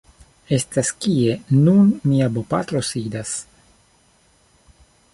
estas kie nun mia bopatro sidas.